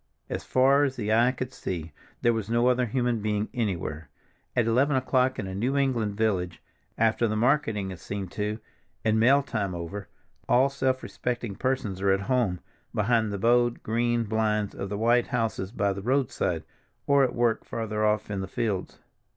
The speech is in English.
As far as the eye could see there was no other human being anywhere. At eleven o'clock in a New England village, after the marketing is seen to and mail time over, all self respecting persons are at home behind the bowed green blinds of the white houses by the roadside, or at work farther off in the fields.